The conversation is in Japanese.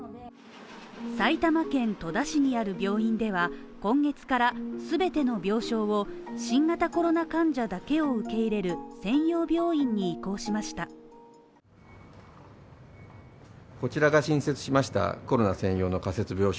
埼玉県戸田市にある病院では今月から全ての病床を新型コロナ患者だけを受け入れる専用病院に移行しました。